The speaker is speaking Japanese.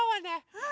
うん！